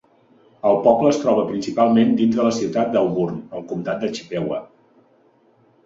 El poble es troba principalment dins de la ciutat d'Auburn, al comtat de Chippewa.